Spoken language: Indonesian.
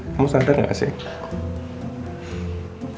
kamu sadar gak sih